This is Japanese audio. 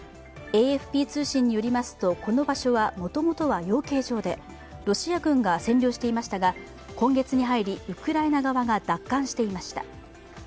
ＡＦＰ通信によりますとこの場所はもともとは養鶏場で、ロシア軍が占領していましたが今月に入りウクライナ側が奪還していました。